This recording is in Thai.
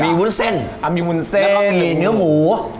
มีวุ้นเส้นอำมีวุ้นเส้นแล้วก็มีเนื้อหมู